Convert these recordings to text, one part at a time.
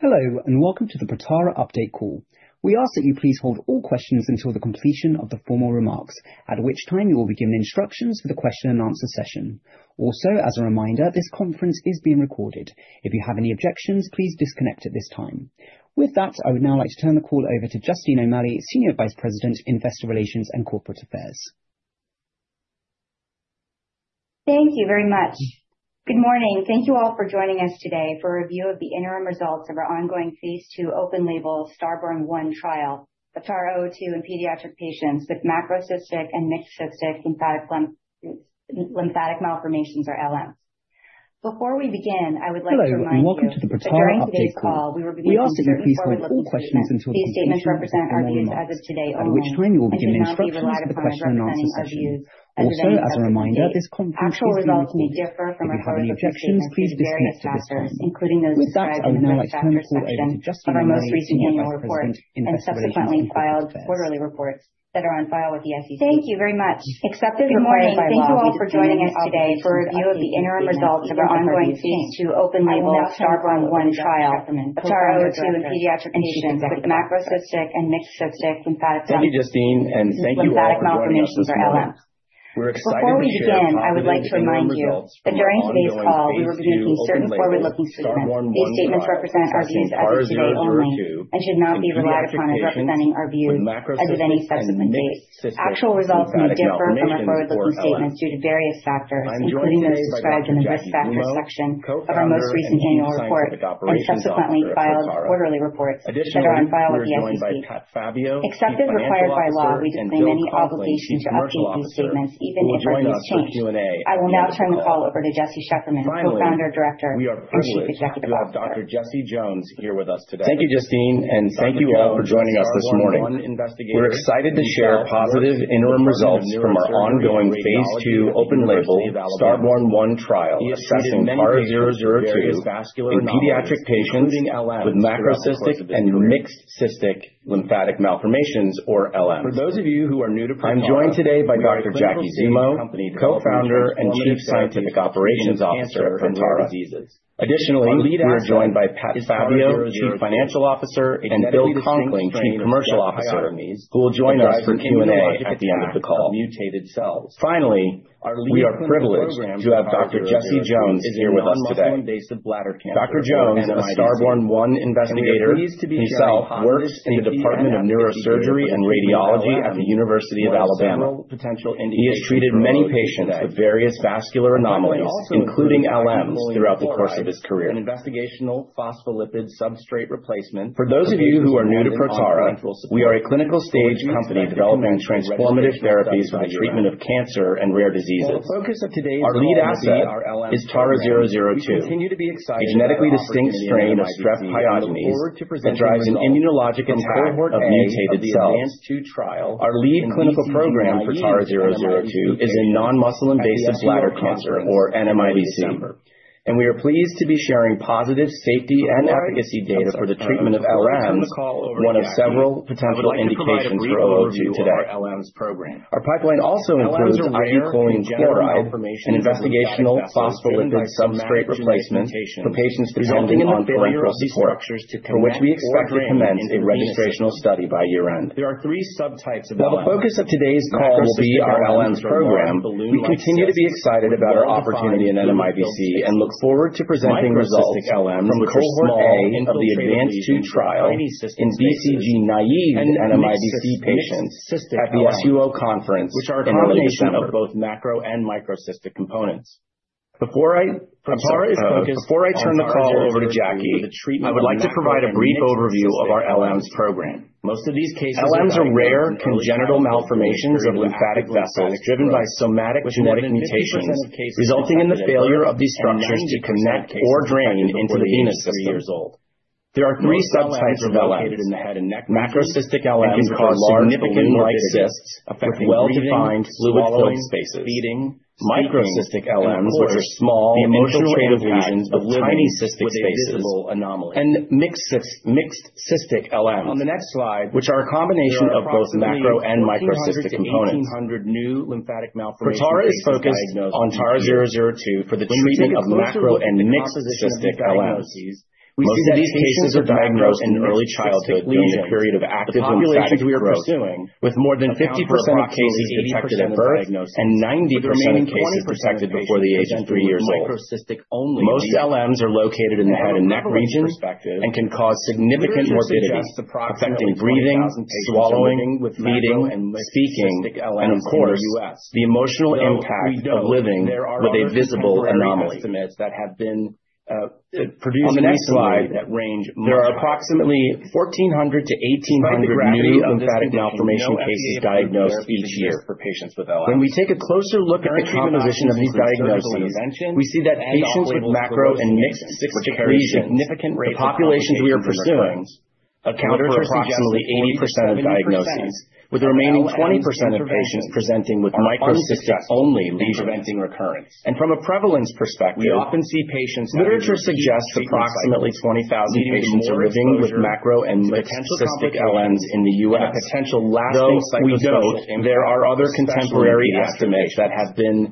With that, I would now like to turn the call over to Justine O'Malley, Senior Vice President, Investor Relations and Corporate Affairs. Thank you very much. Good morning. Thank you all for joining us today for a review of the interim results of our ongoing phase two open label STARBORN-1 trial of TARA-002 in pediatric patients with macrocystic and mixed cystic lymphatic malformations, or LMs. Before we begin, I would like to remind you that during today's call, we will be making certain forward-looking statements. These statements represent our views as of today only and should not be relied upon as representing our views as of any subsequent dates. Actual results may differ from our forward-looking statements due to various factors, including those described in the risk factor section of our most recent annual report and subsequently filed quarterly reports that are on file with the SEC. Except as required by law, we disclaim any obligation to update these statements, even if our views change. I will now turn the call over to Jesse Shefferman, Co-Founder, Director, and Chief Executive Officer. Thank you, Justine, and thank you all for joining us this morning. We're excited to share positive interim results from our ongoing phase two open label STARBORN-1 trial assessing TARA-002 in pediatric patients with macrocystic and mixed cystic lymphatic malformations, or LMs. I'm joined today by Dr. Jackie Zummo, Co-Founder and Chief Scientific Operations Officer at Protara. Additionally, we are joined by Pat Fabbio, Chief Financial Officer, and Bill Conkling, Chief Commercial Officer, who will join us for Q&A at the end of the call. Finally, we are privileged to have Dr. Jesse Jones here with us today. Dr. Jones, a STARBORN-1 investigator, himself works in the Department of Neurosurgery and Radiology at the University of Alabama. He has treated many patients with various vascular anomalies, including LMs, throughout the course of his career. For those of you who are new to Protara, we are a clinical-stage company developing transformative therapies for the treatment of cancer and rare diseases. Our lead asset is TARA-002, a genetically distinct strain of Strep pyogenes that drives an immunologic attack of mutated cells. Our lead clinical program for TARA-002 is in non-muscle invasive bladder cancer, or NMIBC, and we are pleased to be sharing positive safety and efficacy data for the treatment of LMs, one of several potential indications for TARA-002 today. Our pipeline also includes IV Choline Chloride, an investigational phospholipid substrate replacement for patients dependent on parenteral support, for which we expect to commence a registrational study by year-end. While the focus of today's call will be our LMs program, we continue to be excited about our opportunity in NMIBC and look forward to presenting results from Cohort A of the advanced two trial in BCG naive NMIBC patients at the SUO conference in early December. Before I turn the call over to Jackie, I would like to provide a brief overview of our LMs program. LMs are rare congenital malformations of lymphatic vessels driven by somatic genetic mutations, resulting in the failure of these structures to connect or drain into the venous system. There are three subtypes of LMs: macrocystic LMs, which are large balloon-like cysts with well-defined fluid-filled spaces; microcystic LMs, which are small infiltrative lesions with tiny cystic spaces; and mixed cystic LMs, which are a combination of both macro and microcystic components. Protara is focused on TARA-002 for the treatment of macro and mixed cystic LMs. Most of these cases are diagnosed in early childhood during the period of active lymphatic growth, with more than 50% of cases detected at birth and 90% of cases detected before the age of three years old. Most LMs are located in the head and neck region and can cause significant morbidity, affecting breathing, swallowing, feeding, speaking, and, of course, the emotional impact of living with a visible anomaly. On the next slide, there are approximately 1,400 to 1,800 new lymphatic malformation cases diagnosed each year. When we take a closer look at the composition of these diagnoses, we see that patients with macro and mixed cystic lesions, the populations we are pursuing, account for approximately 80% of diagnoses, with the remaining 20% of patients presenting with microcystic-only lesions. From a prevalence perspective, literature suggests approximately 20,000 patients are living with macro and mixed cystic LMs in the U.S., though we note there are other contemporary estimates that have been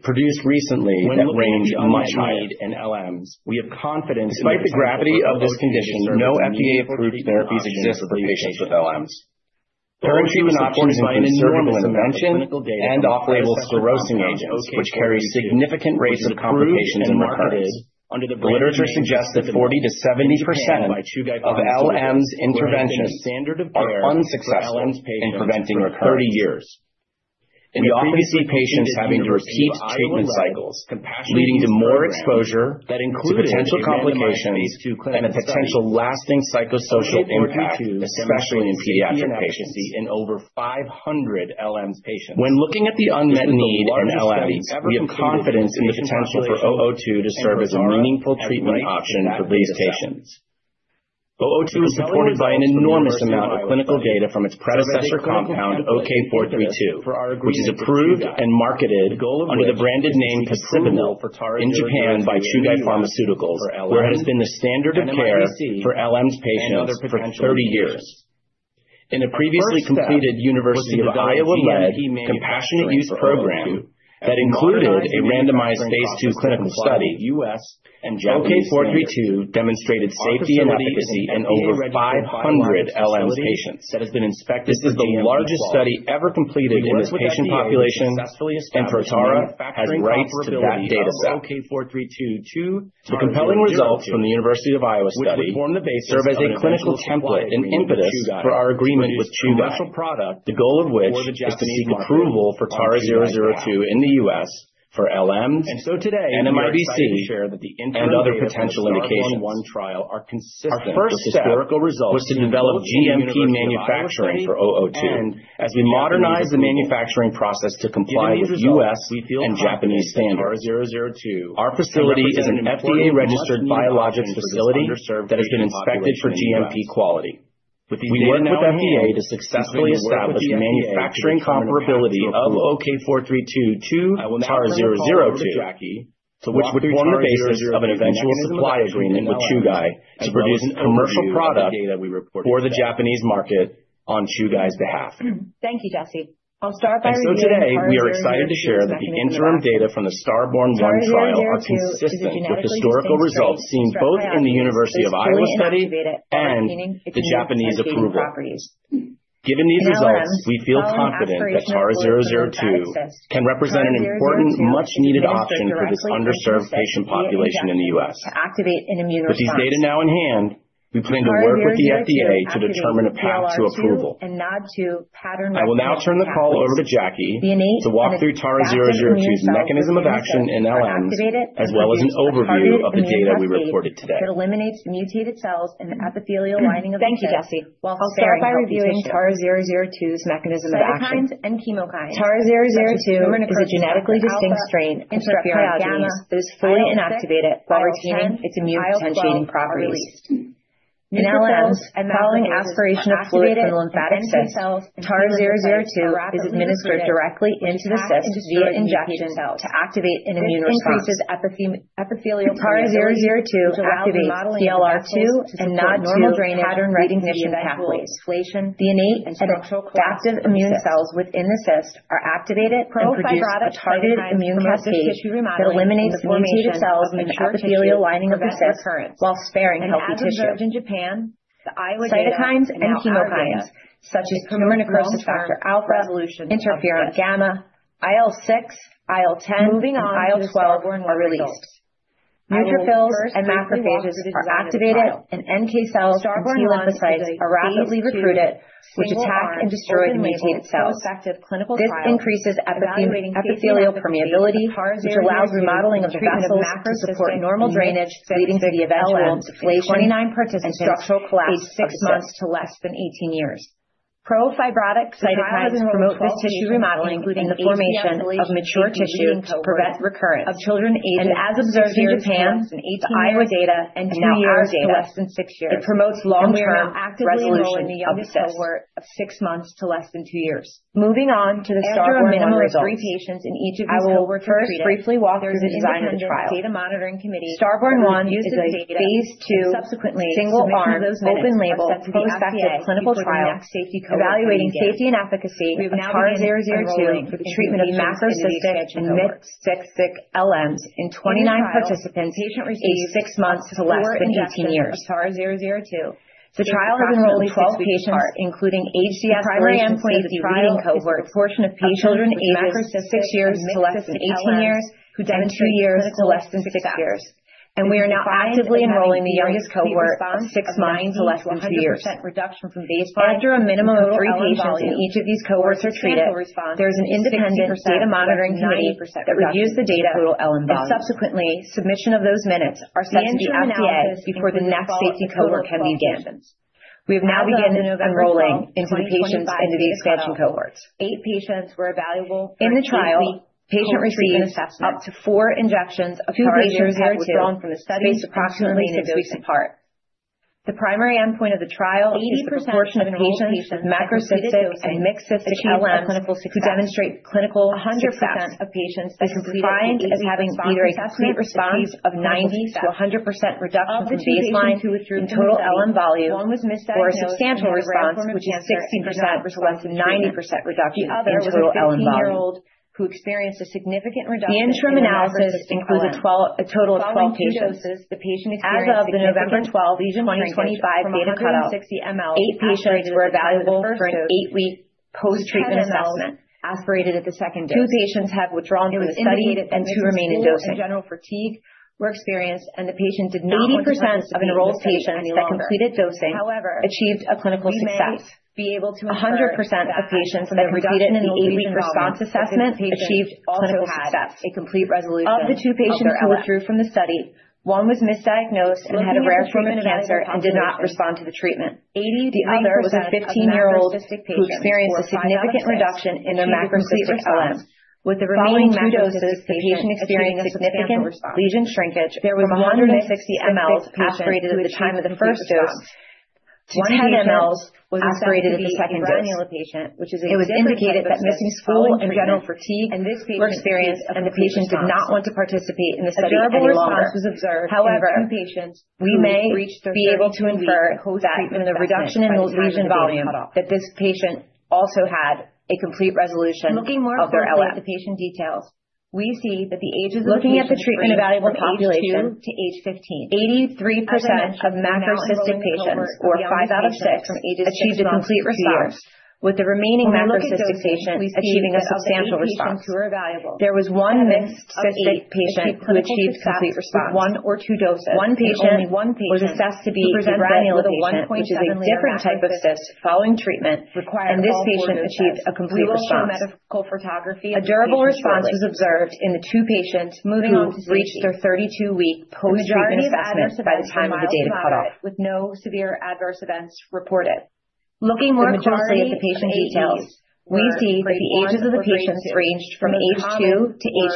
produced recently that range much higher. Despite the gravity of this condition, no FDA-approved therapies exist for patients with LMs. Current treatment options include surgical intervention and off-label sclerosing agents, which carry significant rates of complications and recurrence. The literature suggests that 40%-70% of LMs interventions are unsuccessful in preventing recurrence. We often see patients having to repeat treatment cycles, leading to more exposure to potential complications and a potential lasting psychosocial impact, especially in pediatric patients. When looking at the unmet need in LMs, we have confidence in the potential for TARA-002 to serve as a meaningful treatment option for these patients. TARA-002 is supported by an enormous amount of clinical data from its predecessor compound, OK-432, which is approved and marketed under the branded name Picibanil in Japan by Chugai Pharmaceuticals, where it has been the standard of care for LMs patients for 30 years. In a previously completed University of Iowa-led compassionate use program that included a randomized phase II clinical study, OK-432 demonstrated safety and efficacy in over 500 LMs patients. This is the largest study ever completed in this patient population, and Protara has rights to that data set. The compelling results from the University of Iowa study serve as a clinical template and impetus for our agreement with Chugai, the goal of which is to seek approval for TARA-002 in the U.S. for LMs, NMIBC, and other potential indications. Our first step was to develop GMP manufacturing for 002 as we modernize the manufacturing process to comply with U.S. and Japanese standards. Our facility is an FDA-registered biologics facility that has been inspected for GMP quality. We worked with FDA to successfully establish manufacturing comparability of OK-432 to TARA-002, which would form the basis of an eventual supply agreement with Chugai to produce commercial product for the Japanese market on Chugai's behalf. Today, we are excited to share that the interim data from the phase 2 STARBORN-1 trial are consistent with historical results seen both in the University of Iowa study and the Japanese approval. Given these results, we feel confident that TARA-002 can represent an important, much-needed option for this underserved patient population in the U.S. With these data now in hand, we plan to work with the FDA to determine a path to approval. I will now turn the call over to Jackie to walk through TARA-002's mechanism of action in LMs, as well as an overview of the data we reported today. Thank you, Jesse. I'll start by reviewing TARA-002's mechanism of action. TARA-002 is a genetically distinct strain of Streptococcus pyogenes that is fully inactivated while retaining its immune potentiating properties. In LMs, following aspiration of fluid from the lymphatic cyst, TARA-002 is administered directly into the cyst via injection to activate an immune response. TARA-002 activates TLR2 and NOD2 pattern recognition pathways. The innate and adaptive immune cells within the cyst are activated and produce a targeted immune cascade that eliminates the mutated cells in the epithelial lining of the cyst while sparing healthy tissue. Cytokines and chemokines, such as tumor necrosis factor alpha, interferon gamma, IL-6, IL-10, and IL-12, are released. Neutrophils and macrophages are activated, and NK cells and T-lymphocytes are rapidly recruited, which attack and destroy the mutated cells. This increases epithelial permeability, which allows remodeling of the vessels to support normal drainage, leading to the eventual deflation and structural collapse of the cyst. Pro-fibrotic cytokines promote this tissue remodeling and the formation of mature tissue to prevent recurrence. As observed in Japan, the Iowa data and now our data, it promotes long-term resolution of the cyst. Moving on to the STARBORN-1 results, I will first briefly walk through the design of the trial. STARBORN-1 is a phase II single-arm, open label prospective clinical trial evaluating safety and efficacy of TARA-002 for the treatment of macrocystic and mixed cystic LMs in 29 participants aged six months to less than 18 years. The trial has enrolled 12 patients, including age de-escalation safety leading cohorts of children ages six years to less than 18 years and two years to less than six years. We are now actively enrolling the youngest cohort of six months to less than two years. After a minimum of three patients in each of these cohorts are treated, there is an independent data monitoring committee that reviews the data, and subsequently, submission of those minutes are sent to the FDA before the next safety cohort can begin. We have now begun enrolling the patients into the expansion cohorts. In the trial, the patient receives up to four injections of TARA-002 spaced approximately six weeks apart. The primary endpoint of the trial is the proportion of patients with macrocystic and mixed cystic LMs who demonstrate clinical success. This is defined as having either a complete response of 90%-100% reduction from baseline in total LM volume or a substantial response, which is 60% to less than 90% reduction in total LM volume. The interim analysis includes a total of 12 patients. As of the November 12th, 2025 data cutoff, eight patients were available for an eight-week post-treatment assessment. Two patients have withdrawn from the study, and two remain in dosing. 80% of enrolled patients that completed dosing achieved clinical success. 100% of patients that completed the eight-week response assessment achieved clinical success. Of the two patients who withdrew from the study, one was misdiagnosed and had a rare form of cancer and did not respond to the treatment. The other was a 15-year-old who experienced a significant reduction in their macrocystic LM. Following two doses, the patient experienced significant lesion shrinkage from 160 mLs aspirated at the time of the first dose to 10 mLs aspirated at the second dose. It was indicated that missing school and general fatigue were experienced, and the patient did not want to participate in the study any longer. However, we may be able to infer that from the reduction in the lesion volume that this patient also had a complete resolution of their LM. Looking at the treatment available population, 83% of macrocystic patients, or five out of six, achieved a complete response, with the remaining macrocystic patient achieving a substantial response. There was one mixed cystic patient who achieved complete response. One patient was assessed to be a granular patient, which is a different type of cyst following treatment, and this patient achieved a complete response. A durable response was observed in the two patients who reached their 32-week post-treatment assessment by the time of the data cutoff. Looking more closely at the patient details, we see that the ages of the patients ranged from age two to age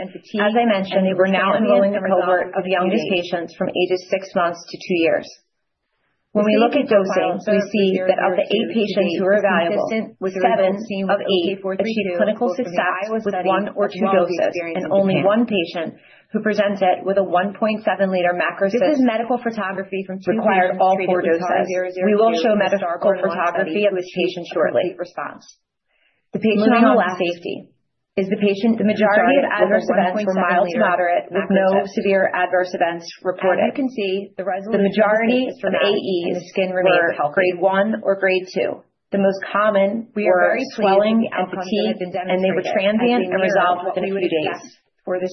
15. As I mentioned, we're now enrolling the cohort of youngest patients from ages six months to two years. When we look at dosing, we see that of the eight patients who are available, seven of eight achieved clinical success with one or two doses, and only one patient who presented with a 1.7-liter macrocyst required all four doses. We will show medical photography of this patient shortly. Moving on to safety. The majority of adverse events were mild to moderate, with no severe adverse events reported. The majority of AEs were grade one or grade two. The most common were swelling and fatigue, and they were transient and resolved within a few days. The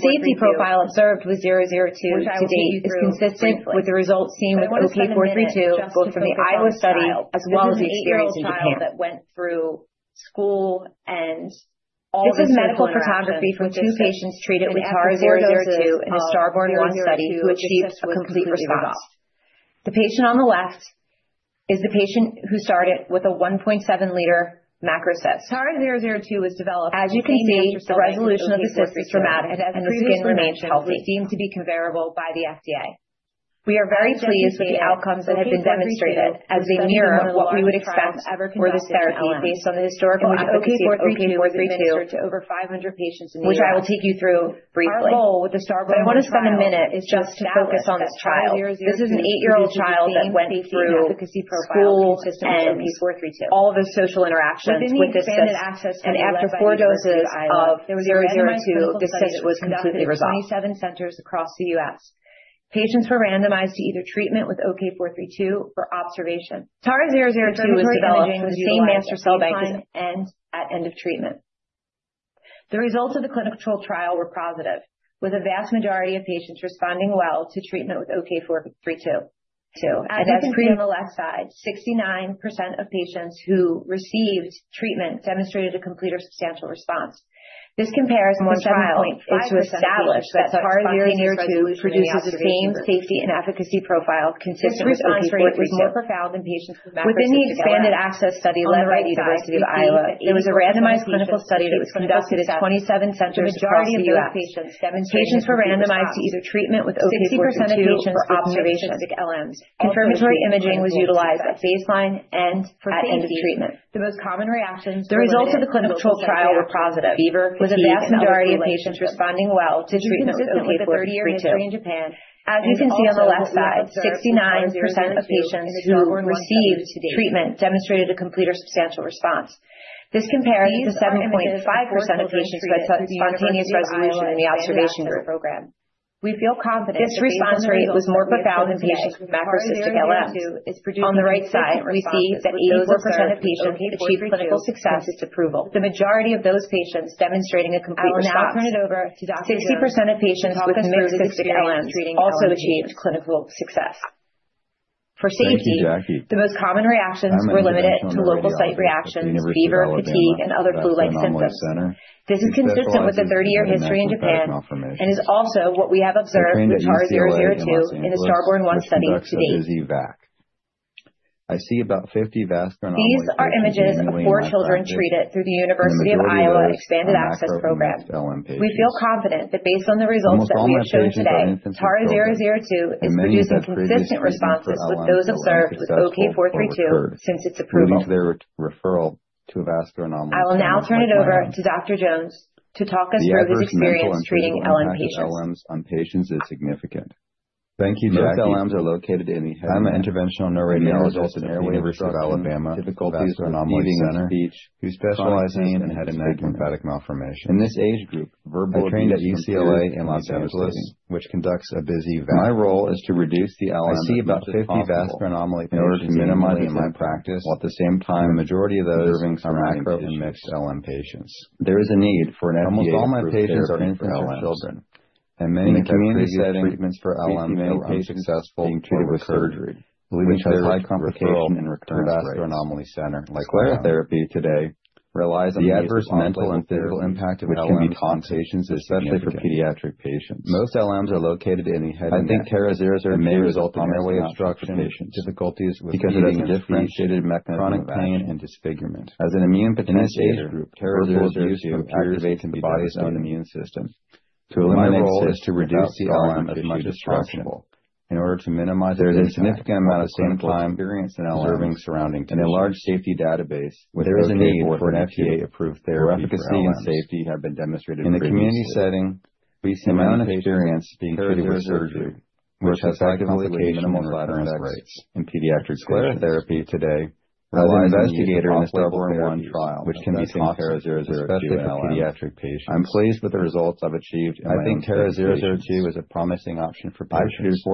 safety profile observed with 002 to date is consistent with the results seen with OK-432, both from the Iowa study as well as the experience in Japan. This is medical photography from two patients treated with TARA-002 in the STARBORN-1 study who achieved a complete response. The patient on the left is the patient who started with a 1.7-liter macrocyst. As you can see, the resolution of the cyst is dramatic, and the skin remains healthy. We are very pleased with the outcomes that have been demonstrated, as they mirror what we would expect for this therapy based on the historical efficacy of OK-432, which I will take you through briefly. I want to spend a minute just to focus on this trial. This is an eight-year-old child that went through school and all the social interactions with this cyst, and after four doses of 002, the cyst was completely resolved. TARA-002 was developed from the same master cell bank as 002, and as previously mentioned, one trial is to establish that TARA-002 produces the same safety and efficacy profile consistent with OK-432. Within the expanded access study led by the University of Iowa, there was a randomized clinical study that was conducted at 27 centers across the U.S. Patients were randomized to either treatment with OK-432 or observation. Confirmatory imaging was utilized at baseline and at the end of treatment. The results of the clinical trial were positive, with a vast majority of patients responding well to treatment with OK-432. As you can see on the left side, 69% of patients who received treatment demonstrated a complete or substantial response. This compares with the 7.5% of patients who had spontaneous resolution in the observation group. This response rate was more profound in patients with macrocystic LMs. On the right side, we see that 84% of patients achieved clinical success, with the majority of those patients demonstrating a complete response. 60% of patients with mixed cystic LMs also achieved clinical success. For safety, the most common reactions were limited to local site reactions, fever, fatigue, and other flu-like symptoms. This is consistent with the 30-year history in Japan and is also what we have observed with TARA-002 in the STARBORN-1 study to date. These are images of four children treated through the University of Iowa expanded access program. We feel confident that based on the results that we have shown today, TARA-002 is producing consistent responses with those observed with OK-432 since its approval. I will now turn it over to Dr. Jones to talk us through his experience treating LM patients. Thank you, Jackie. I'm an interventional neuroradiologist at the University of Alabama Vascular Anomaly Center who specializes in head and neck lymphatic malformations. I trained at UCLA in Los Angeles, which conducts a busy VAC. I see about 50 vascular anomaly patients annually in my practice, and the majority of those are macro and mixed LM patients. Almost all my patients are infants or children, and many have had previous treatments for LMs that were unsuccessful or recurred, leading to their referral to a vascular anomaly center like my own. The adverse mental and physical impact of LMs on patients is significant. Most LMs are located in the head and neck and may result in airway obstruction, difficulties with feeding and speech, chronic pain, and disfigurement. In this age group, verbal abuse from peers can be devastating. My role is to reduce the LM as much as possible in order to minimize its impact while at the same time preserving surrounding tissues. There is a need for an FDA-approved therapy for LMs. In the community setting, we see many patients being treated with surgery, which has high complication and recurrence rates. Sclerotherapy today relies on the use of off-label therapies, which can be toxic, especially for pediatric patients. I think TARA-002 is a promising option for patients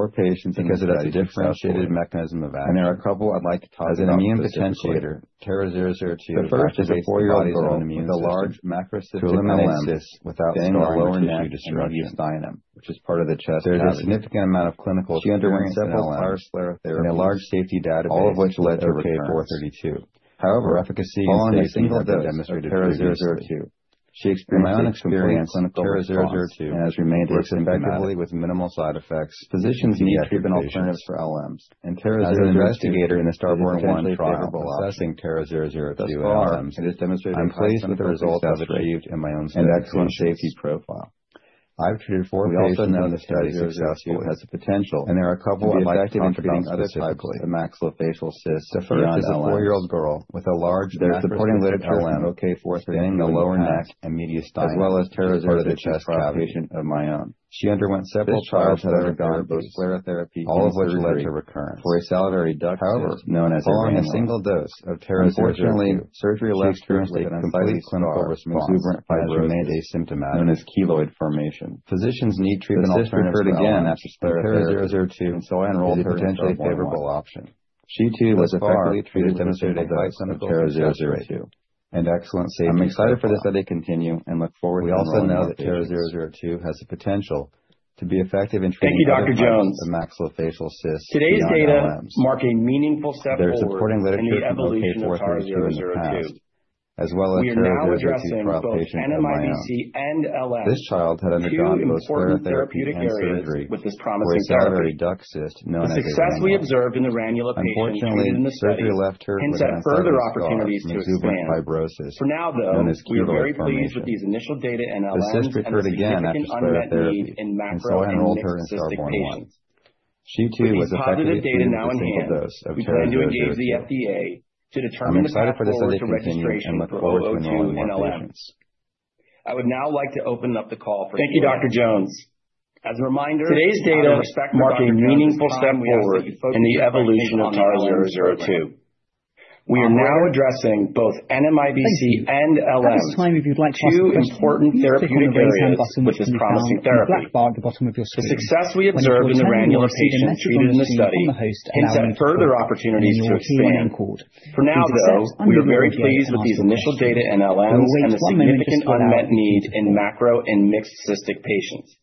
because it has a differentiated mechanism of action. As an immune potentiator, TARA-002 activates the body's own immune system to eliminate cysts without scarring or tissue We also know that TARA-002 has the potential to be effective in treating other types of maxillofacial cysts beyond LMs. There is supporting literature from OK-432 in the past, as well as TARA-002 trial patient of my own. This child had undergone both sclerotherapy and surgery for a salivary duct cyst known as a ranula. Unfortunately, surgery left her with an unsightly scar from exuberant fibrosis known as keloid formation. The cyst recurred again after sclerotherapy, and so I enrolled her in STARBORN-1. She too was effectively treated with a single dose of TARA-002. I'm excited for this study to continue and look forward to enrolling more patients. Thank you, Dr. Jones. Today's data mark a meaningful step forward in the evolution of TARA-002. We are now addressing both NMIBC and LMs, two important therapeutic areas with this promising therapy. The success we observed in the ranula patient treated in the study hints at further opportunities to expand. For now, though, we are very pleased with these initial data in LMs and the significant unmet need in macro and mixed cystic patients.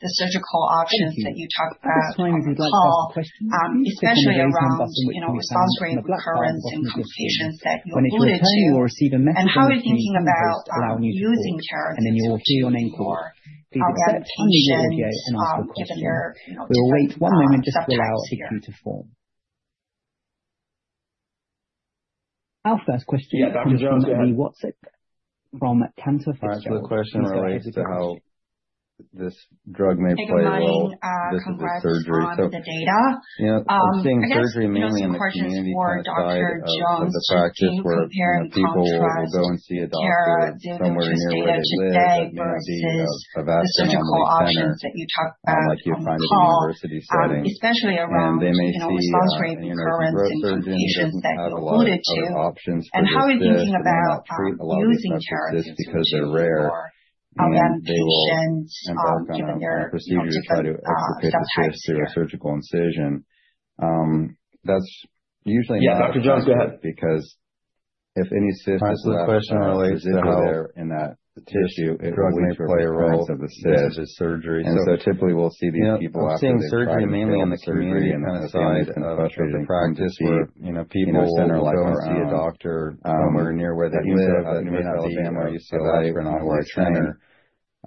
the surgical options that you talked about on the call, especially around, you know, response rate, recurrence, and complications that you alluded to? How are you thinking about using TARA-002 in your LM patients given their, you know, different subtypes here? Yeah, Dr. Jones, go ahead. All right, the question relates to how this drug may play a role vis-à-vis surgery. You know, I'm seeing surgery mainly on the community kind of side of the practice where, you know, people will go and see a doctor somewhere near where they live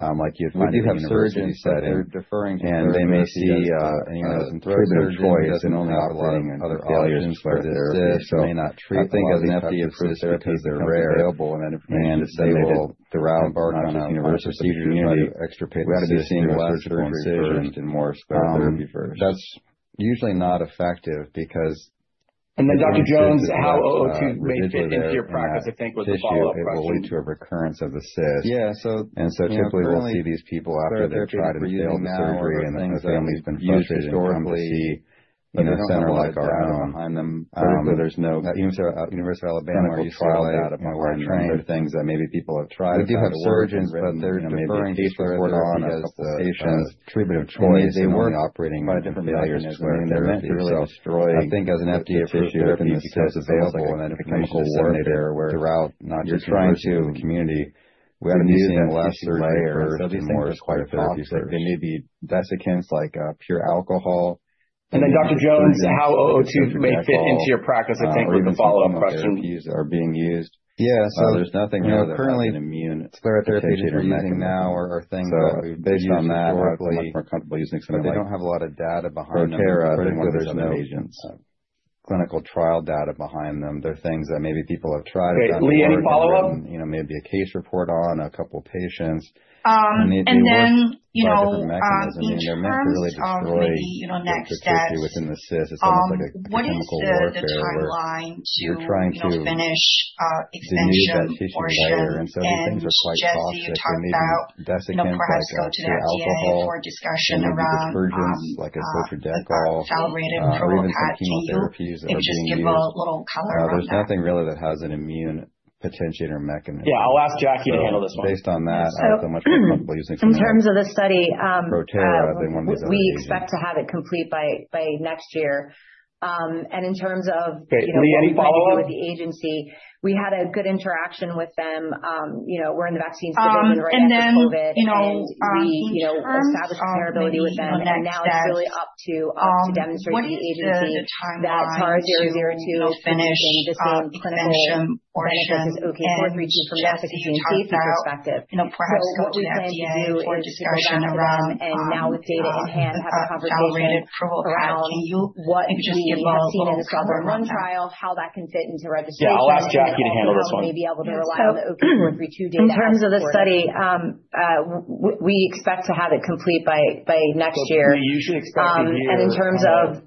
that may not be a vascular anomaly center like you'd find at a university setting. They may see an ear, nose, and throat surgeon who doesn't have a lot of other options for this cyst or may not treat a lot of these types of cysts because they're rare, and they will embark on a procedure to try to extirpate the cyst through a surgical incision. That's usually not effective because if any cyst is left residually there in that tissue, it will lead to a recurrence of the cyst. Typically, we'll see these people after they've tried and failed the surgery and the family's been frustrated and come to see, you know, a center like our own. At the University of Alabama or UCLA, you know, where I trained, we do have surgeons, but they're deferring to sclerotherapy as the treatment of choice and only operating on failures of sclerotherapy. I think as an FDA-approved therapy becomes available and that information is disseminated throughout not just universities, but the community, we ought to be seeing less surgery first and more sclerotherapy first. Dr. Jones, how 002 may fit into your practice, I think, was the follow-up question. Yeah, so, you know, currently, sclerosing agents we're using now are things that we've used historically, but they don't have a lot of data behind them. Particularly, there's no clinical trial data behind them. They're things that maybe people have tried and found to work and written, you know, maybe a case report on a couple of patients. Yeah, I'll ask Jackie to handle this one. Yeah, so in terms of the study, we expect to have it complete by next year. In terms of,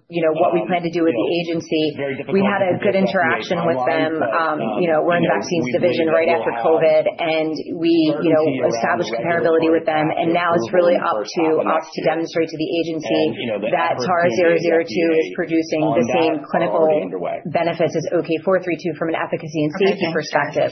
you know, what we plan to do with the agency, we had a good interaction with them. You know, we're in the vaccines division right after COVID, and we, you know, established comparability with them. Now it's really up to us to demonstrate to the agency that TARA-002 is producing the same clinical benefits as OK-432 from an efficacy and safety perspective.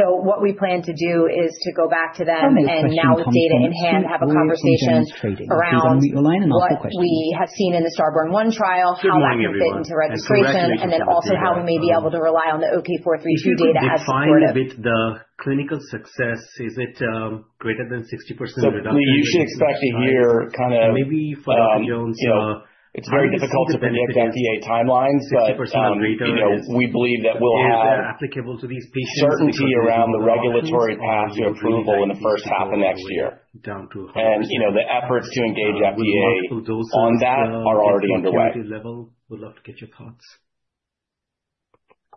What we plan to do is to go back to them and now, with data in hand, have a conversation around what we have seen in the STARBORN-1 trial, how that can fit into registration, and then also how we may be able to rely on the OK-432 data as supportive. Lee, you should expect to hear kind of, you know, it's very difficult to predict FDA timelines, but, you know, we believe that we'll have certainty around the regulatory path to approval in the first half of next year. You know, the efforts to engage FDA on that are already underway.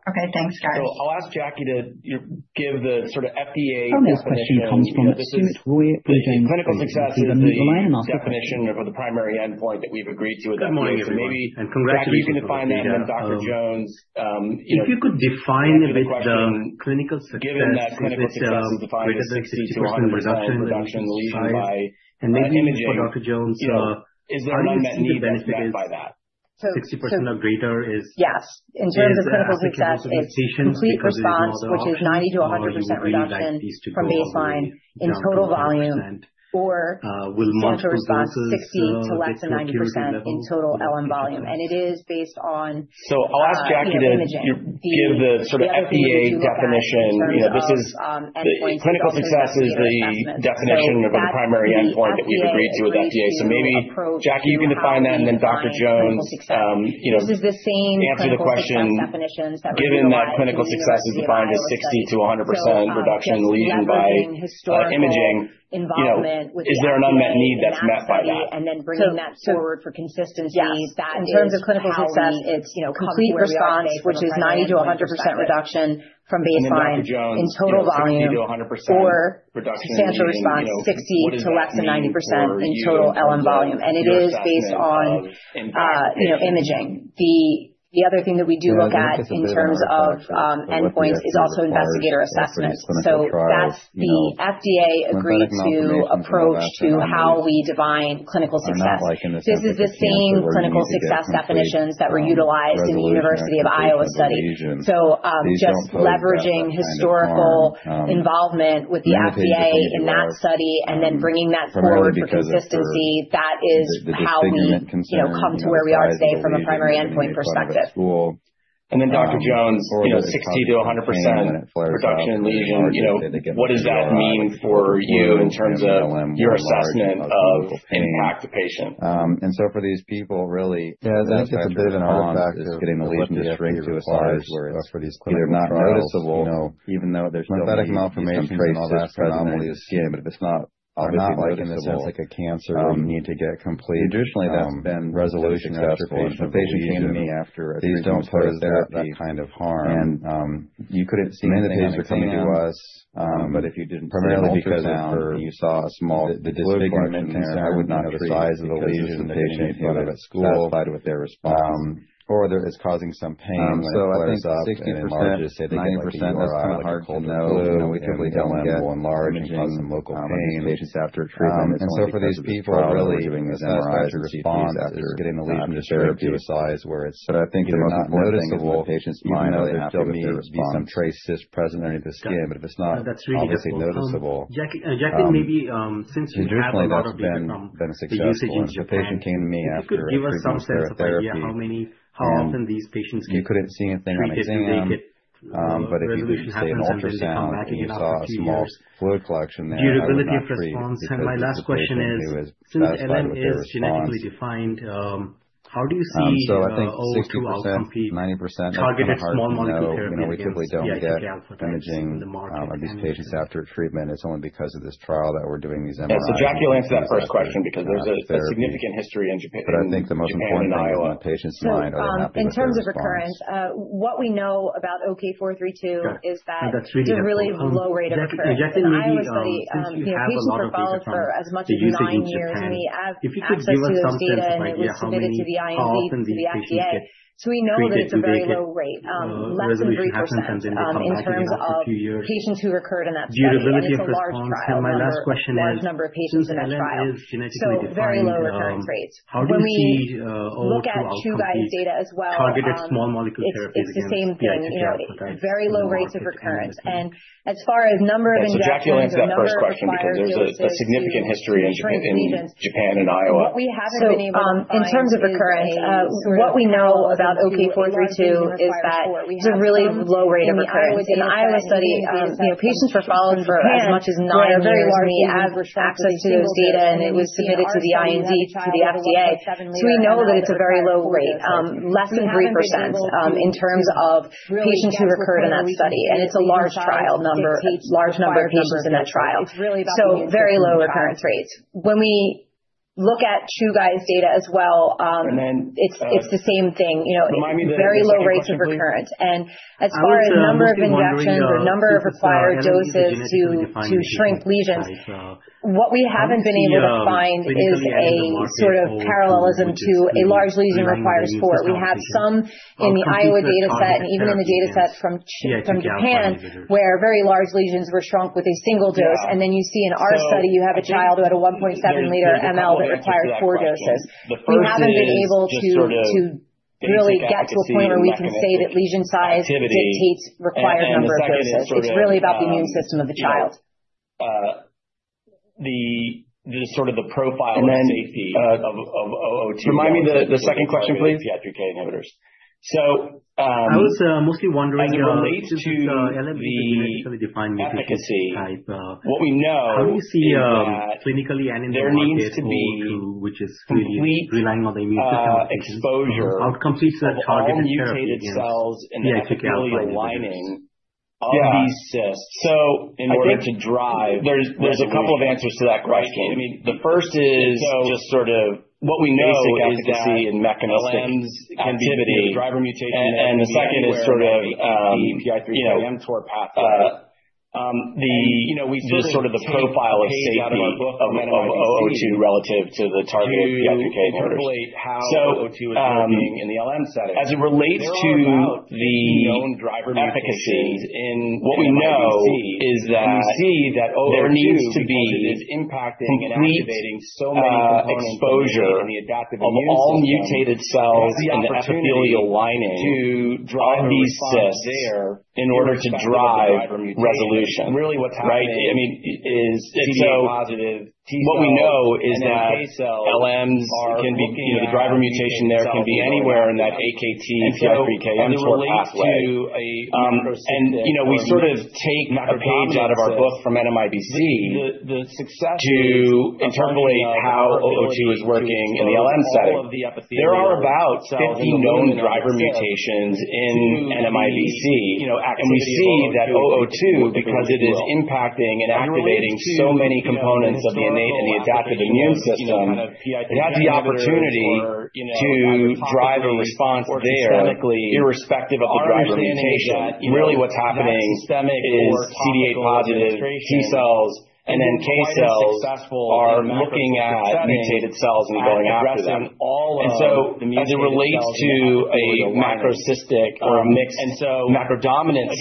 Okay, thanks, guys. Our next question comes from Soumit Roy from Jones Trading. Please unmute your line and ask your question. Good morning, everyone, and congratulations on the data. If you could define a bit the clinical success, is it greater than 60% reduction in the lesion size? Maybe for Dr. Jones, how do you see the benefit is 60% or greater is applicable to these patients because there are no other options, or you would really like these to go all the way down to 100%? Will multiple doses get to a curative level? Would love to get your thoughts. I'll ask Jackie to give the sort of FDA definition. You know, this is the clinical success is the definition of the primary endpoint that we've agreed to with FDA. Maybe Jackie, you can define that, and then Dr. Jones, you know, answer the question. Given that clinical success is defined as 60%-100% reduction in the lesion by imaging, you know, is there an unmet need that's met by that? Yes, in terms of clinical success, it's complete response, which is 90%-100% reduction from baseline in total volume, or substantial response, 60% to less than 90% in total LM volume. It is based on, you know, imaging. The other thing that we do look at in terms of endpoints is also investigator assessments. That is the FDA-agreed-to approach to how we define clinical success. This is the same clinical success definitions that were utilized in the University of Iowa study. Just leveraging historical involvement with the FDA in that study and then bringing that forward for consistency, that is how we, you know, come to where we are today from a primary endpoint perspective. there still may be some trace cyst present underneath the skin, but if it's not obviously noticeable, traditionally that's been successful. If a patient came to me after a treatment with sclerotherapy and you couldn't see anything on exam, but if you did, say, an ultrasound and you saw a small fluid collection there, I would not treat because this is a patient who is satisfied with their response. I think 60%, 90%, that's kind of hard to know. You know, we typically don't get imaging of these patients after treatment. It's only because of this trial that we're doing these MRIs and CTs after therapy. I think the most important thing is in the patient's mind, are they happy with their response? Got it. That's really helpful. Jacqueline, maybe since you have a lot of data from the usage in Japan, if you could give us some sense of idea how often these patients get treated, do they get resolution happens, and then they come back again after a few years, durability of response? My last question is, since LM is genetically defined, how do you see 002 outcompete targeted small molecule therapies against PI3K alpha types in the market and in the clinic? Yeah, so Jackie will answer that first question because there's a significant history in Japan and Iowa. In terms of recurrence, what we know about OK-432 is that it's a really low rate of recurrence. In the Iowa study, you know, patients were followed for as much as nine years, and we have access to those data, and it was submitted to the IND, to the FDA. We know that it's a very low rate, less than 3% in terms of patients who recurred in that study. It's a large trial, large number of patients in that trial. Very low recurrence rates. When we look at Chugai's data as well, it's the same thing, you know, very low rates of recurrence. As far as number of injections or number of required doses to shrink lesions, what we haven't been able to find is a sort of parallelism to a large lesion requires four. We have some in the Iowa dataset and even in the dataset from Japan where very large lesions were shrunk with a single dose. You see in our study, you have a child who had a 1.7-liter ML that required four doses. We have not been able to really get to a point where we can say that lesion size dictates required number of doses. It is really about the immune system of the child. Remind me the second question, please. I was mostly wondering, since this LM is a genetically defined mutation type, how do you see clinically and in the market 002, which is really relying on the immune system of the patients, outcomes leads to targeted therapy against PI3K alpha inhibitors? Yeah, so I think there's a couple of answers to that question. The first is just sort of basic efficacy and mechanistic activity. The second is sort of, you know, the sort of the profile of safety of 002 relative to the targeted PI3K inhibitors. As it relates to the efficacy, what we know is that there needs to be complete exposure of all mutated cells in the epithelial lining of these cysts in order to drive resolution, right? I mean, and so what we know is that LMs can be, you know, the driver mutation there can be anywhere in that AKT/PI3K/mTOR pathway. You know, we sort of take a page out of our book from NMIBC to interpolate how 002 is working in the LM setting. There are about 50 known driver mutations in NMIBC, and we see that 002, because it is impacting and activating so many components of the innate and the adaptive immune system, it has the opportunity to drive a response there irrespective of the driver mutation. Really what's happening is CD8-positive T cells and NK cells are looking at mutated cells and going after them. As it relates to a macrocystic or a mixed macrodominant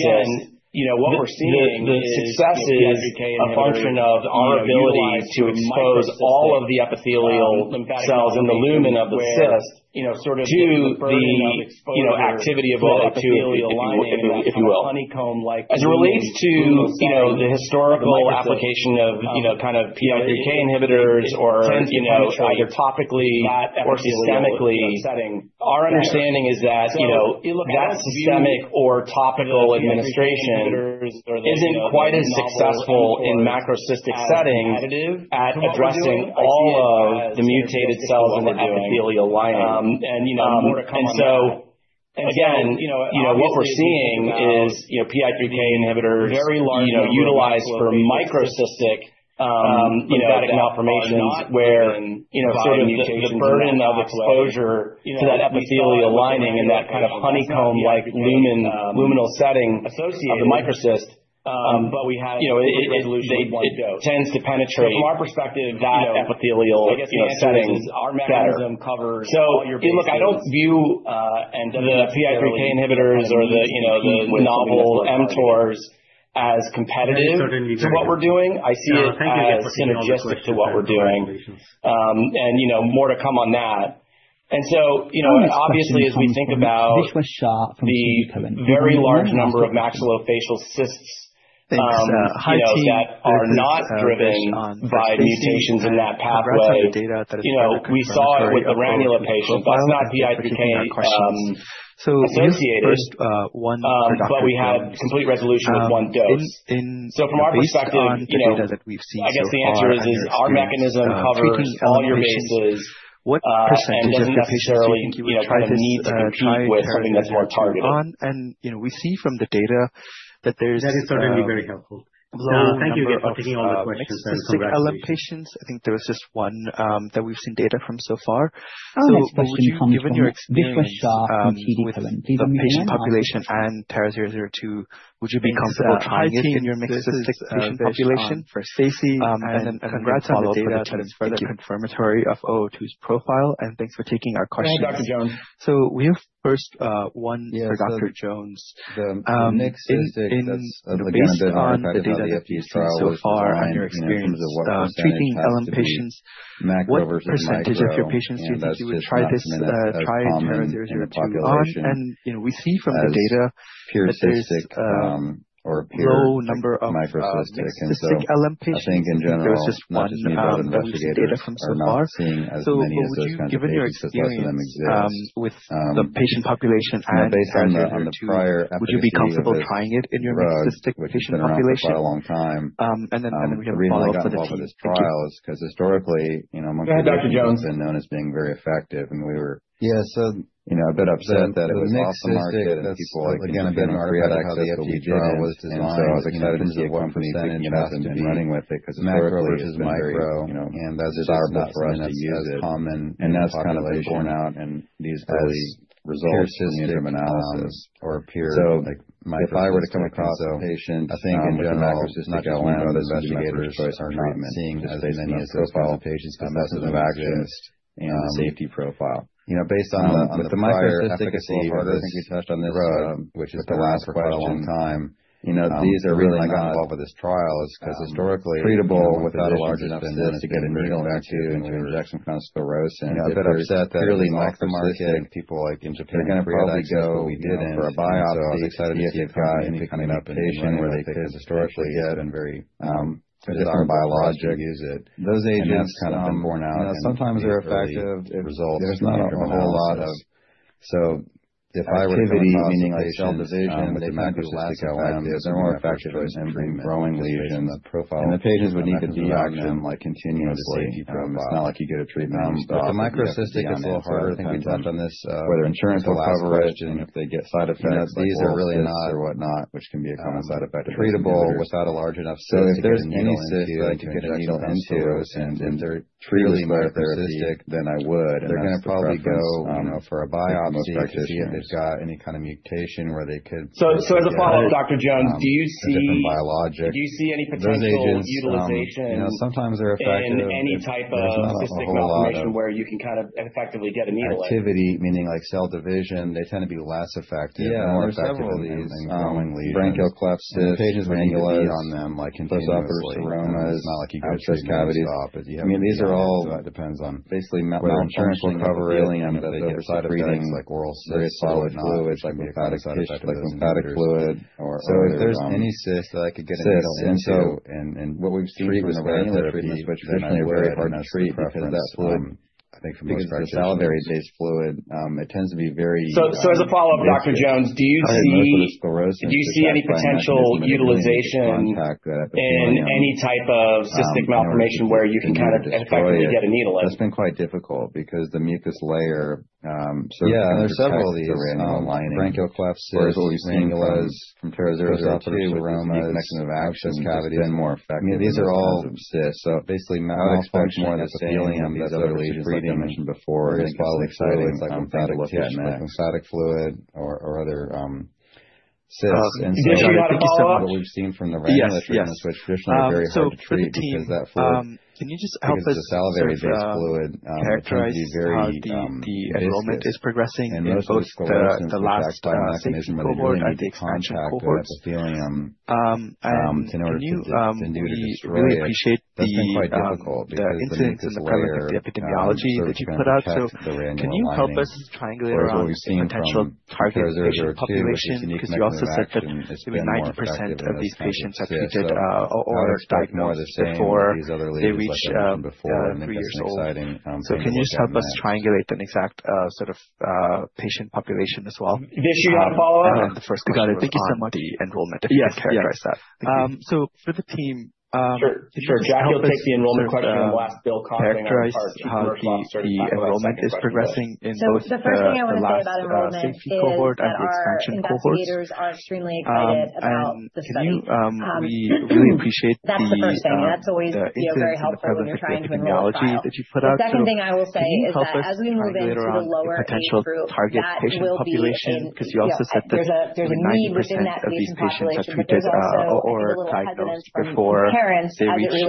cyst, the success is a function of our ability to expose all of the epithelial cells in the lumen of the cyst to the, you know, activity of 002, if you will. As it relates to, you know, the historical application of, you know, kind of PI3K inhibitors or, you know, either topically or systemically, our understanding is that, you know, that systemic or topical administration isn't quite as successful in macrocystic settings at addressing all of the mutated cells in the epithelial lining. You know, what we're seeing is, you know, PI3K inhibitors, you know, utilized for microcystic lymphatic malformations where, you know, sort of the burden of exposure to that epithelial lining and that kind of honeycomb-like luminal setting of the microcyst, you know, it tends to penetrate that epithelial, you know, setting better. I don't view the PI3K inhibitors or the, you know, the novel mTORs as competitive to what we're doing. I see it as synergistic to what we're doing. You know, more to come on that. You know, obviously, as we think about the very large number of maxillofacial cysts, you know, that are not driven by mutations in that pathway, you know, we saw it with the ranula patient. That's not PI3K associated, but we had complete resolution with one dose. From our perspective, you know, I guess the answer is, our mechanism covers all your bases and doesn't necessarily, you know, kind of need to compete with something that's more targeted. would you be comfortable trying it in your mixed cystic patient population? We have a follow-up for the team. Thank you. Go ahead, Dr. Jones. Yeah, so the mixed cystic, that's again a bit of an artifact of how the FDA trial was designed, you know, in terms of what percentage has to be macro versus micro. That's just not something that's as common in the population as pure cystic or pure, like, microcystic. I think in general, not just me, but other investigators are not seeing as many as those kinds of patients because less of them exist. You know, based on the prior efficacy of this drug, which has been around for quite a long time, the reason I got involved with this trial is because historically, you know, among physicians, it's been known as being very effective. We were, you know, a bit upset that it was off the market and people like in Japan and Korea had access, but we didn't. I was excited to see a company picking it up and running with it because historically, it's been very, you know, desirable for us to use it. That's kind of been borne out in these early results from the interim analysis. If I were to come across a patient with a macrocystic LM, this would be my first choice of treatment just based on the profile, mechanism of action, and the safety profile. With the microcystic, it's a little harder. I think we touched on this with the last question. You know, these are really not treatable without a large enough cyst to get a needle into and to inject some kind of sclerosant. If they're purely microcystic, they're going to probably go, you know, for a biopsy to see if they've got any kind of mutation where they could potentially get a different biologic. Those agents, you know, sometimes they're effective if there's not a whole lot of activity, meaning like cell division, they tend to be less effective. They're more effective in growing lesions. The patients would need to be on them like continuously. It's not like you get a treatment and you stop. You have to be on it. That depends on whether insurance will cover it and if they get side effects like oral cysts or whatnot, which can be a common side effect of those inhibitors. If there's any cyst that I could get a needle into and treat with sclerotherapy, then I would. That's the preference, I think, for most practitioners. As a follow-up, Dr. Jones, do you see any potential utilization in any type of cystic malformation where you can kind of effectively get a needle in? before. I think that's an exciting thing to look at next. Vish, you had a follow-up? Oh, got it. Thank you so much. Yes, yes. For the team, can you just help us sort of characterize how the enrollment is progressing in both the last safety cohort and the expansion cohorts? We really appreciate the incidence and the prevalence, like the epidemiology that you put out. Can you help us triangulate around a potential target patient population? Because you also said that maybe 90% of these patients are treated or diagnosed before they reach three years old. Can you just help us triangulate an exact sort of patient population as well? The first question was on the enrollment, if you can characterize that. Thank you. Sure, sure. Jackie, you'll take the enrollment question, and we'll ask Bill Conkling, our Chief Commercial Officer, to tackle that second question, Vish. The first thing I want to say about enrollment is that our investigators are extremely excited about the study. That is the first thing.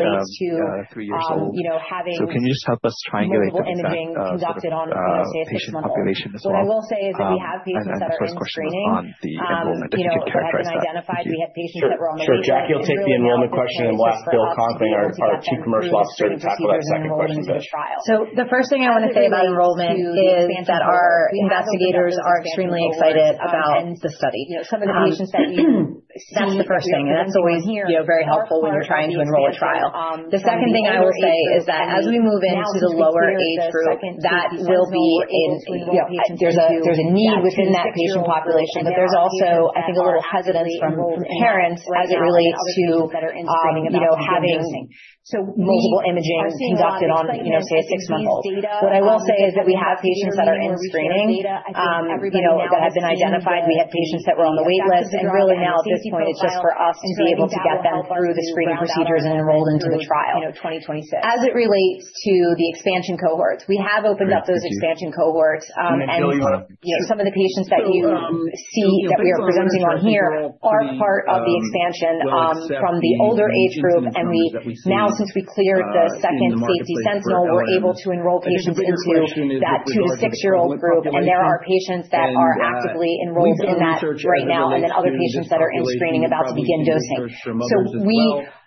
That is always, you know, very helpful when you are trying to enroll a trial. The second thing I will say is that as we move into the lower age group, that will be in, you know, there is a need within that patient population, but there is also, I think, a little hesitance from parents as it relates to, you know, having multiple imaging conducted on, you know, say, a six-month-old. What I will say is that we have patients that are in screening, you know, that have been identified. We had patients that were on the waitlist. Really now at this point, it is just for us to be able to get them through the screening procedures and enrolled into the trial. As it relates to the expansion cohorts, we have opened up those expansion cohorts. You know, some of the patients that you see that we are presenting on here are part of the expansion from the older age group. We now, since we cleared the second safety sentinel, are able to enroll patients into that two to six-year-old group. There are patients that are actively enrolled in that right now, and other patients that are in screening about to begin dosing. We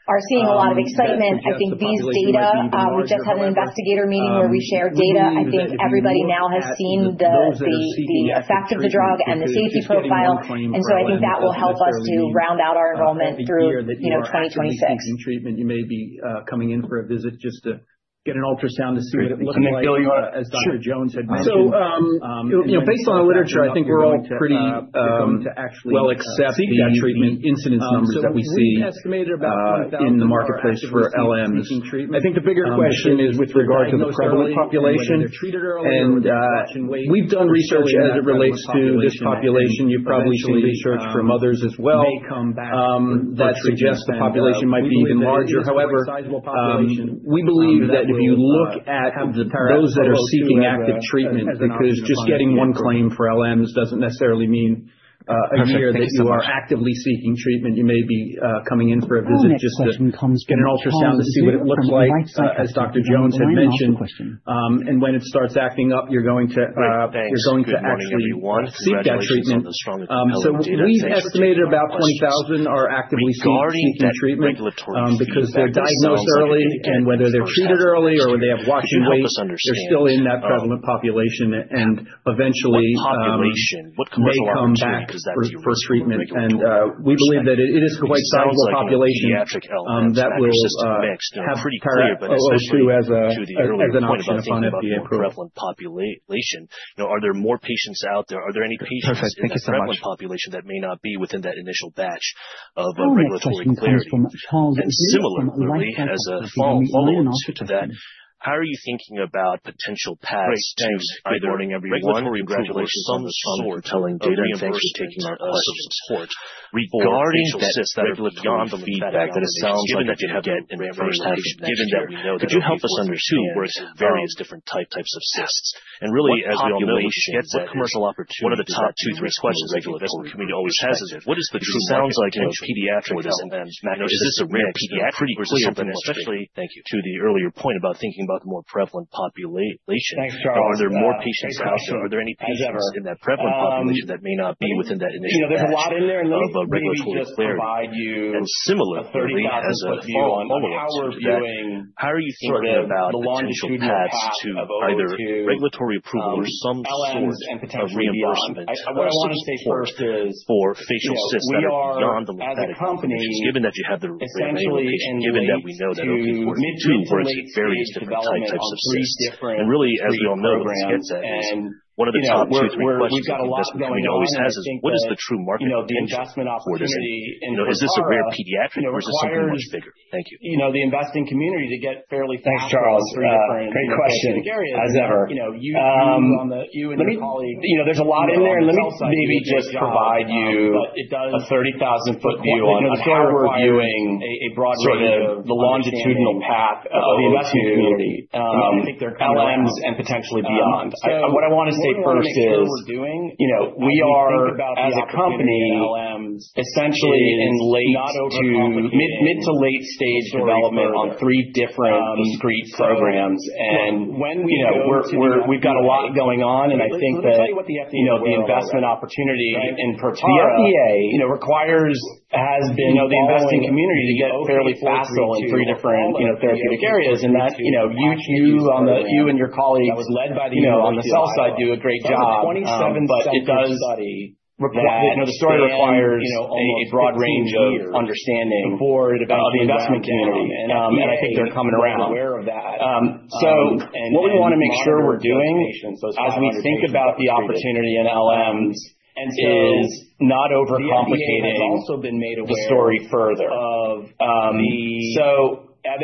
are seeing a lot of excitement. I think these data, we just had an investigator meeting where we shared data. I think everybody now has seen the effect of the drug and the safety profile. I think that will help us to round out our enrollment through 2026. Great, thank you. Bill, you want to? Sure. So, you know, based on the literature, I think we're all pretty well accepting the incidence numbers that we see in the marketplace for LMs. I think the bigger question is with regard to the prevalent population. We've done research as it relates to this population. You've probably seen research from others as well that suggests the population might be even larger. However, we believe that if you look at those that are seeking active treatment, because just getting one claim for LMs doesn't necessarily mean a year that you are actively seeking treatment. You may be coming in for a visit just to get an ultrasound to see what it looks like, as Dr. Jones had mentioned. When it starts acting up, you're going to actually seek that treatment. We've estimated about 20,000 are actively seeking treatment because they're diagnosed early. Whether they're treated early or they have watch and wait, they're still in that prevalent population and eventually may come back how are you thinking about potential paths to either regulatory approval or some sort of reimbursement, some support for facial cysts that are beyond the lymphatic malformations, given that you have the ranula patient, given that we know that OK-432 works in various different types of cysts? Really, as we all know, what this gets at is one of the top two, three questions that the investment community always has: what is the true market potential for this? You know, is this a rare pediatric, or is this something much bigger? Thank you. Thanks, Charles. Great question, as ever. Let me, you know, there's a lot in there. Let me maybe just provide you a 30,000-foot view on how we're viewing sort of the longitudinal path of 002 LMs and potentially beyond. What I want to say first is, you know, we are as a company essentially in mid to late stage development on three different discrete programs. You know, we've got a lot going on. I think that, you know, the investment opportunity in Protara, you know, requires, you know, the investing community to get fairly facile in three different, you know, therapeutic areas. You and your colleagues, you know, on the sell side do a great job. It does require, you know, the story requires a broad range of understanding of the investment community. I think they're coming around. What we want to make sure we're doing as we think about the opportunity in LMs is not overcomplicating the story further.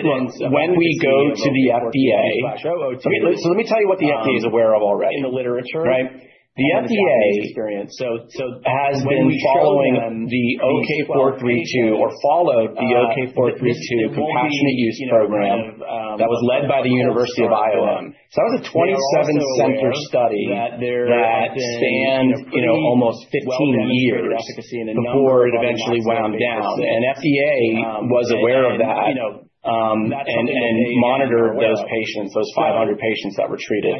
Look, when we go to the FDA, let me tell you what the FDA is aware of already, right? The FDA has been following the OK-432 or followed the OK-432 compassionate use program that was led by the University of Iowa. That was a 27-center study that spanned, you know, almost 15 years before it eventually wound down. FDA was aware of that and monitored those patients, those 500 patients that were treated.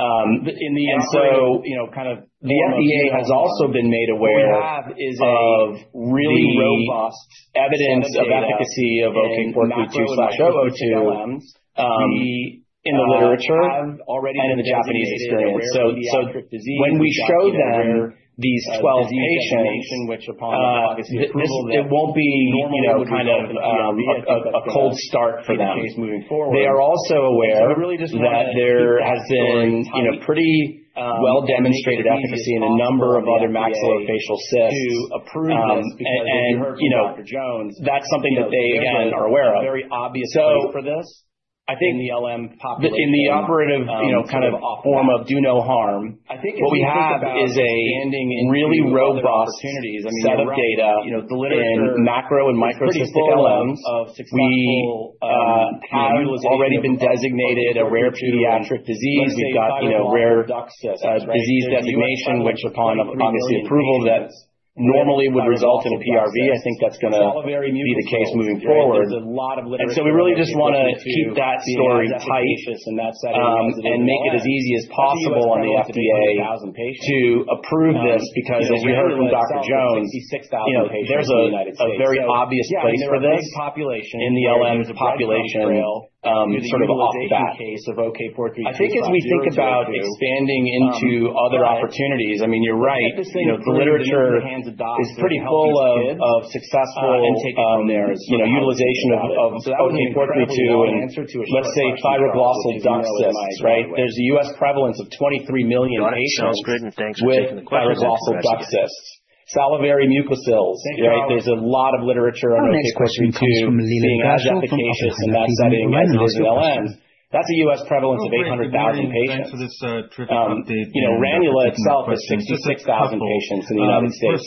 The FDA has also been made aware of the evidence of efficacy of OK-432/002 in the literature and in the Japanese experience. When we show them these 12 patients, it won't be, you know, kind of a cold start for them. They are also aware that there has been, you know, pretty well-demonstrated efficacy in a number of other maxillofacial cysts. You know, that's something that they, again, are aware of. I think in the operative, you know, kind of form of do no harm, what we have is a really robust set of data in macro and microcystic LMs. We have already been designated a rare pediatric disease. We've got, you know, rare disease designation, which upon obviously approval that normally would result in a PRV. I think that's going to be the case moving forward. We really just want to keep that story tight and make it as easy as possible on the FDA to approve this because, as you heard from Dr. Jones, you know, there's a very obvious place for this in the LM population sort of off the bat. I think as we think about expanding into other opportunities, I mean, you're right, you know, the literature is pretty full of successful, you know, utilization of OK-432 in, let's say, thyroglossal duct cysts, right? There's a U.S. prevalence of 23 million patients with thyroglossal duct cysts, salivary mucoceles, right? There's a lot of literature on OK-432 being as efficacious in that setting as it is in LMs. That's a U.S. prevalence of 800,000 patients. You know, ranula itself is 66,000 patients in the United States.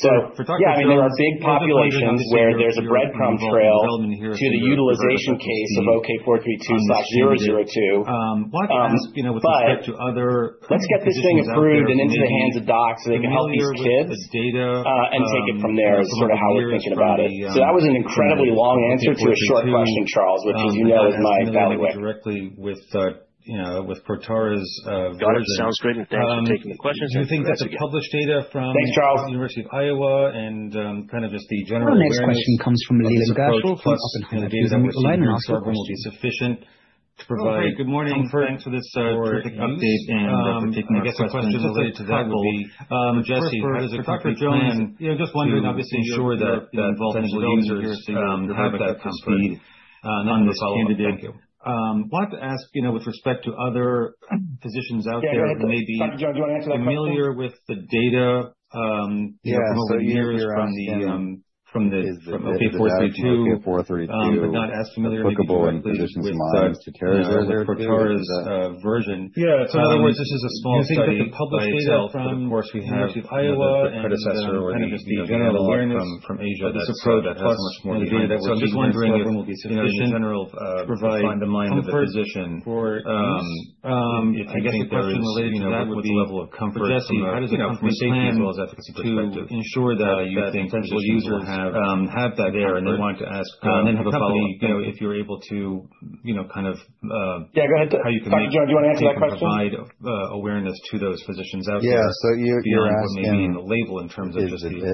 Yeah, I mean, there are big populations where there's a breadcrumb trail to the utilization case of OK-432/002. Let's get this thing approved and into the hands of docs so they can help these kids and take it from there is sort of how we're thinking about it. That was an incredibly long answer to a short question, Charles, which, as you know, is my bailiwick. Got it. Sounds great. Thanks for taking the questions and congrats again. Thanks, Charles. Our next question comes from Leland Gershell from Oppenheimer. Please unmute your line and ask your question. Oh, great. Good morning. Thanks for this terrific update and for taking our questions. Just a couple. First, for Dr. Jones, you know, just wondering, obviously, you're involved in the development here, so you're very much up to speed on this candidate. Wanted to ask, you know, with respect to other physicians out there who may be familiar with the data, you know, from over the years from the OK-432, but not as familiar maybe directly with, you know, with Protara's version. Do you think that the published data from the University of Iowa and kind of just the general awareness of this approach, plus, you know, the data that we're seeing here in STARBORN will be sufficient to provide comfort for use? I guess a question related to that would be for Jesse, how does a company plan to ensure that potential users have that comfort? I have a follow-up. Thank you. Yeah, go ahead, Dr. Jones. Do you want to answer that question? Yeah. So you're asking, is the data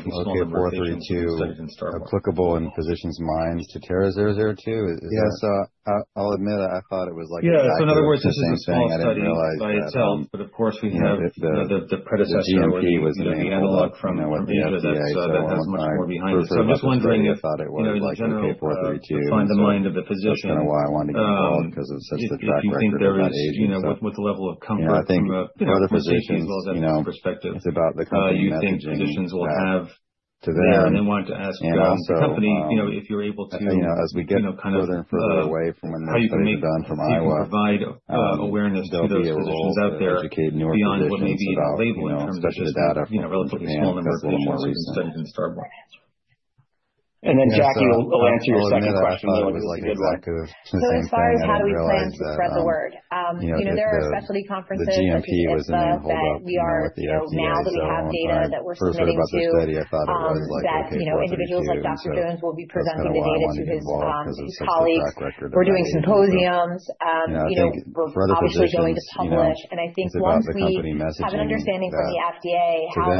from OK-432 applicable in physicians' minds to TARA-002? Is that? Yeah. In other words, this is a small study by itself, but of course, we have, you know, the predecessor or the analog from Asia that has much more behind it. I'm just wondering if, you know, in general, the mind of the physician, if you think there is, you know, what the level of comfort from a, you know, from a safety as well as efficacy perspective you think physicians will have and further away from when those studies were done from Iowa, there'll be a role to educate newer physicians about, you know, especially the data from Japan because that's a little more recent. Jackie, you'll answer your second question, Leland, because it's a good one. As far as how do we plan to spread the word, you know, there are specialty conferences such as ISVA that we are, you know, now that we have data that we're submitting to that, you know, individuals like Dr. Jones will be presenting the data to his colleagues. We're doing symposiums. You know, we're obviously going to publish. I think once we have an understanding from the FDA how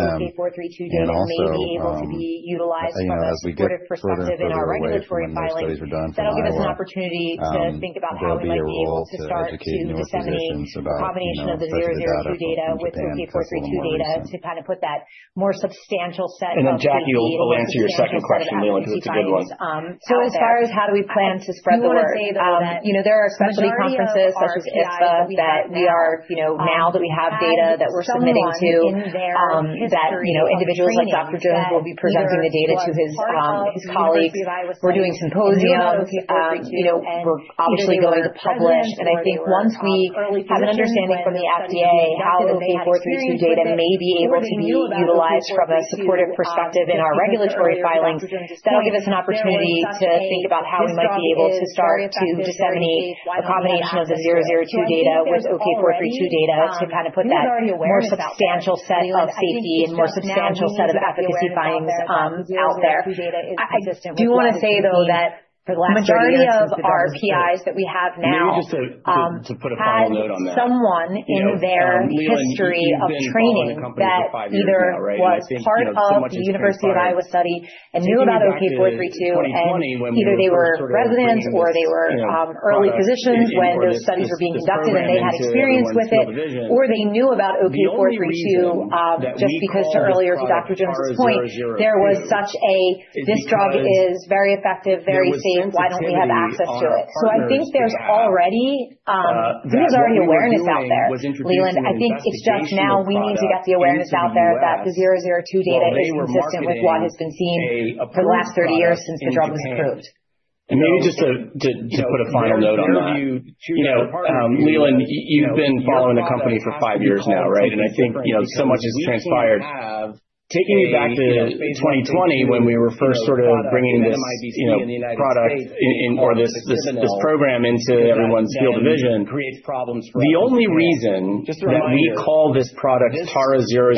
OK-432 data may be able to be utilized from a supportive perspective in our regulatory filings, that'll give us an opportunity to think about how we might be able to start to disseminate a combination of the 002 data with OK-432 data to kind of put that more substantial set of safety and more substantial set of efficacy findings out there. I do want to say, though, that the majority of our PIs that we have now had someone in their history of training that either was part of the University of Iowa study and knew about OK-432, and either they were residents or they were early physicians when those studies were being conducted and they had experience with it, or they knew about OK-432 just because earlier to Dr. Jones' point, there was such a, this drug is very effective, very safe, why don't we have access to it? I think there's already, I think there's already awareness out there, Leland. I think it's just now we need to get the awareness out there that the 002 data is consistent with what has been seen for the last 30 years since the drug was approved. Maybe just to put a final note on that, you know, Leland, you've been following the company for five years now, right? I think, you know, so much has transpired. Taking you back to 2020 when we were first sort of bringing this, you know, product or this program into everyone's field of vision, the only reason that we call this product TARA-002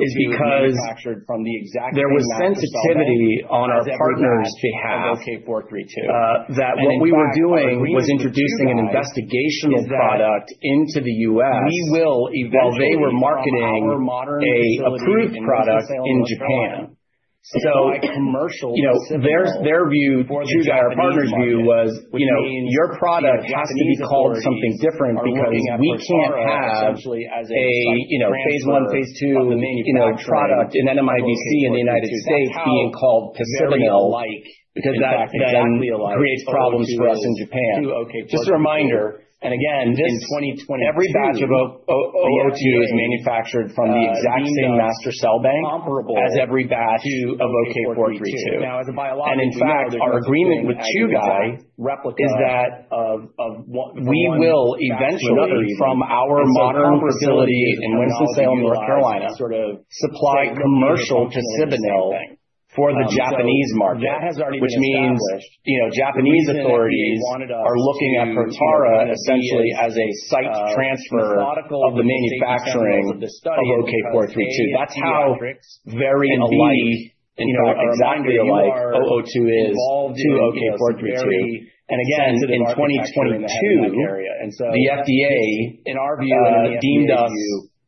is because there was sensitivity on our partners' behalf that what we were doing was introducing an investigational product into the U.S. while they were marketing an approved product in Japan. You know, their view, Chugai, our partner's view was, you know, your product has to be called something different because we can't have a, you know, phase one, phase two, you know, product in NMIBC in the United States being called Picibanil because that then creates problems for us in Japan. Just a reminder, every batch of 002 is manufactured from the exact same master cell bank as every batch of OK-432. In fact, our agreement with Chugai is that we will eventually, from our modern facility in Winston-Salem, North Carolina, supply commercial Picibanil for the Japanese market, which means, you know, Japanese authorities are looking at Protara essentially as a site transfer of the manufacturing of OK-432. That is how very alike, in fact, exactly alike 002 is to OK-432. Again, in 2022, the FDA deemed us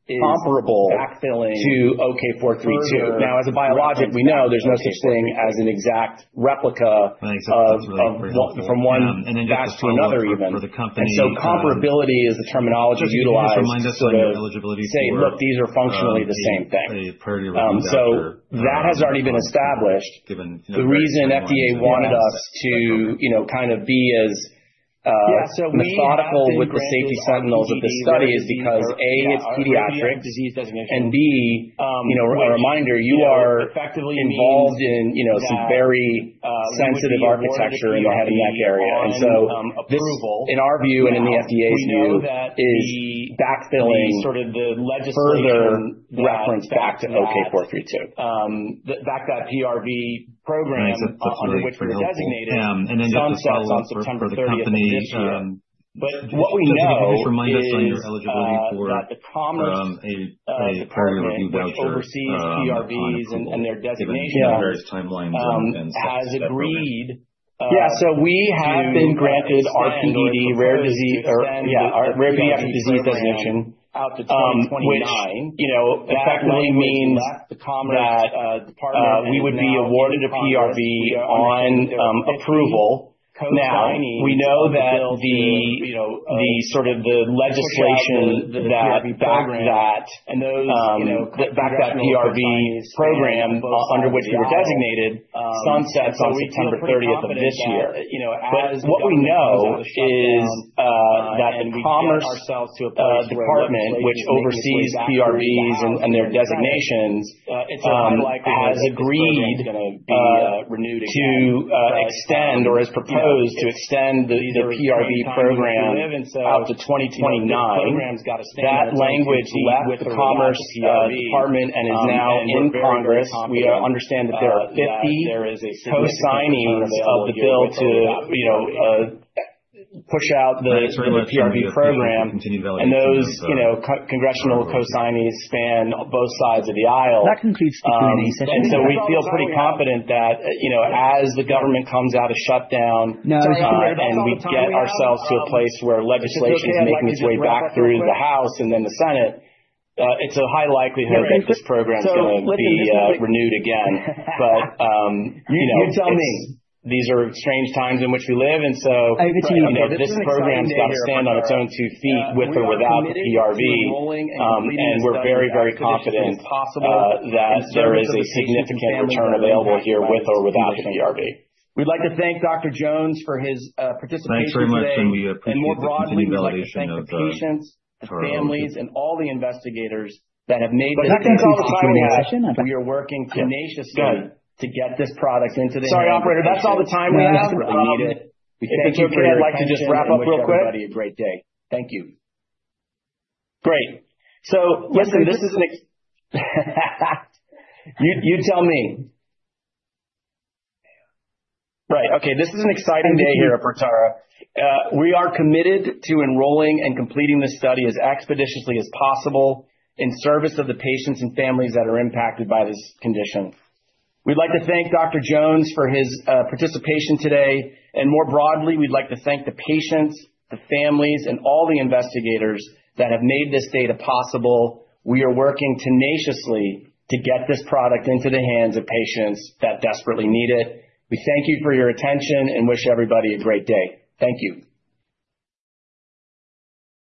comparable to OK-432. Now, as a biologic, we know there is no such thing as an exact replica from one batch to another even. Comparability is the terminology utilized to sort of say, look, these are functionally the same thing. That has already been established. The reason FDA wanted us to, you know, kind of be as methodical with the safety sentinels of this study is because, A, it's pediatrics, and B, you know, a reminder, you are involved in, you know, some very sensitive architecture in the head and neck area. This, in our view and in the FDA's view, is backfilling further reference back to OK-432. Thanks. That's really very helpful. Just to follow up for the company, Jesse, could you just remind us on your eligibility for a priority review voucher upon approval given various timelines and steps to that program? Yeah. We have been granted RPDD, rare disease, or yeah, rare pediatric disease designation, which, you know, effectively means that we would be awarded a PRV on approval. Now, we know that the sort of the legislation that backed that PRV program under which we were designated sunsets on September 30th of this year. What we know is that the Commerce Department, which oversees PRVs and their designations, has agreed to extend or has proposed to extend the PRV program out to 2029. That language left the Commerce Department and is now in Congress. We understand that there are 50 co-signees of the bill to, you know, push out the PRV program. Those, you know, congressional co-signees span both sides of the aisle. We feel pretty confident that, you know, as the government comes out of shutdown and we get ourselves to a place where legislation is making its way back through the House and then the Senate, it's a high likelihood that this program is going to be renewed again. You know, these are strange times in which we live. You know, this program has got to stand on its own two feet with or without the PRV. We are very, very confident that there is a significant return available here with or without the PRV. Thanks very much. We appreciate the continued validation of TARA-002. I think that's all the time we have. Yeah. Go ahead. Sorry, operator. That's all the time we have. If it's okay, I'd like to just wrap up real quick. Great. Listen, this is an exciting—you tell me. Right. Okay. This is an exciting day here at Protara. We are committed to enrolling and completing this study as expeditiously as possible in service of the patients and families that are impacted by this condition. We'd like to thank Dr. Jones for his participation today. More broadly, we'd like to thank the patients, the families, and all the investigators that have made this data possible. We are working tenaciously to get this product into the hands of patients that desperately need it. We thank you for your attention and wish everybody a great day. Thank you.